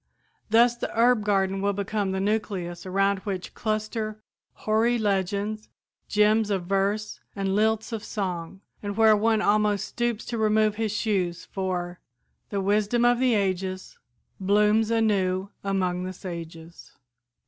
Thus the herb garden will become the nucleus around which cluster hoary legends, gems of verse and lilts of song, and where one almost stoops to remove his shoes, for "The wisdom of the ages Blooms anew among the sages."